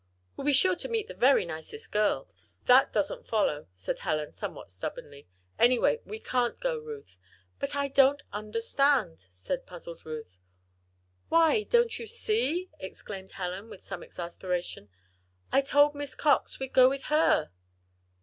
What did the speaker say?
We'll be sure to meet the very nicest girls." "That doesn't follow," said Helen, somewhat stubbornly. "Anyway, we can't go, Ruth." "But I don't understand, dear," said the puzzled Ruth. "Why, don't you see?" exclaimed Helen, with some exasperation. "I told Miss Cox we'd go with her."